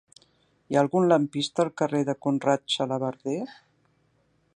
Hi ha algun lampista al carrer de Conrad Xalabarder?